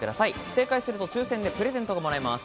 正解すると抽選でプレゼントがもらえます。